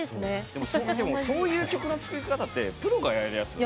でもそう言ってもそういう曲の作り方ってプロがやるやつ。